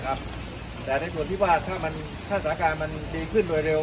แต่ในส่วนที่ว่าถ้าสถานการณ์มันดีขึ้นโดยเร็ว